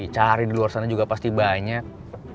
cari di luar sana juga pasti banyak